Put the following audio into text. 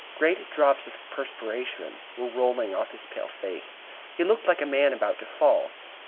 Great drops of perspiration were rolling off his pale face. He looked like a man about to fall.